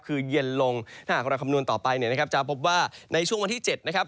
คือเย็นลงถ้าหากเราคำนวณต่อไปเนี่ยนะครับจะพบว่าในช่วงวันที่๗นะครับ